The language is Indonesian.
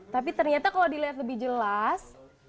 tapi ternyata kalau dilihat lebih jelas